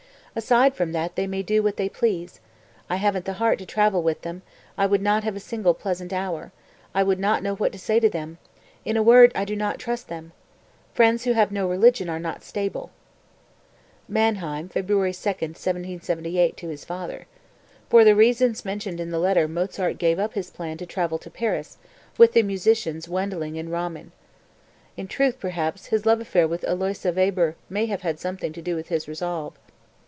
Aside from that they may do what they please. I haven't the heart to travel with them, I would not have a single pleasant hour, I would not know what to say to them; in a word I do not trust them. Friends who have no religion are not stable." (Mannheim, February 2, 1778, to his father. For the reasons mentioned in the letter Mozart gave up his plan to travel to Paris with the musicians Wendling and Ramen. In truth, perhaps, his love affair with Aloysia Weber may have had something to do with his resolve.)